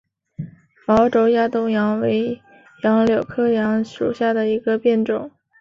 毛轴亚东杨为杨柳科杨属下的一个变种。